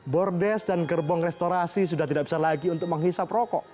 bordes dan gerbong restorasi sudah tidak bisa lagi untuk menghisap rokok